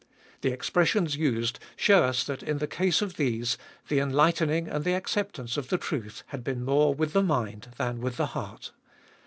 The expressions used show us that in the case of these the enlightening and the acceptance of the truth had been more with the mind than with the heart.